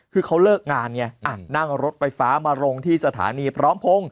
คือเขาเลิกงานไงนั่งรถไฟฟ้ามาลงที่สถานีพร้อมพงศ